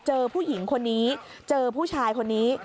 ผู้หญิงคนนี้เจอผู้ชายคนนี้